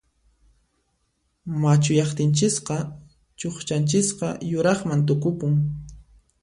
Machuyaqtinchisqa chuqchanchisqa yuraqman tukupun.